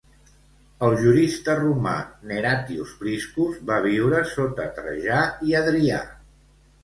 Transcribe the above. El jurista romà Neratius Priscus va viure sota Trajà i Adrià.